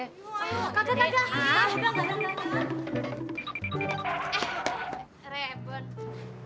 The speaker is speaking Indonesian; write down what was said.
ehm gue belum ngerasa punya kepentingan sama dia